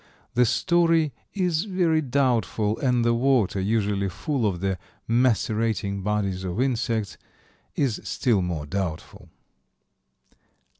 The story is very doubtful, and the water, usually full of the macerating bodies of insects, is still more doubtful.